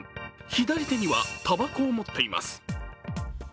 左手にはたばこを持っています。